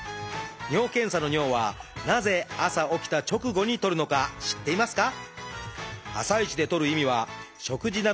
尿検査の尿はなぜ朝起きた直後にとるのか知っていますか？